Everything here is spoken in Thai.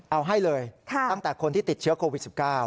เอาให้เลยตั้งแต่คนที่ติดเชื้อโควิด๑๙